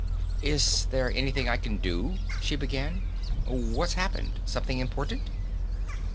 "Is there anything I can do ?" she began. "What's happened? Something important?"